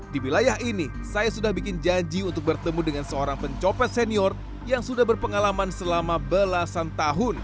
di wilayah ini saya sudah bikin janji untuk bertemu dengan seorang pencopet senior yang sudah berpengalaman selama belasan tahun